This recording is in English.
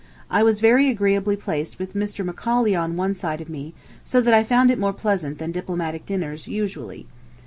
I was very agreeably placed with Mr. Macaulay on one side of me, so that I found it more pleasant than diplomatic dinners usually.